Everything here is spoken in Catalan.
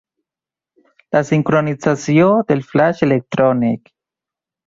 La sincronització del flaix electrònic.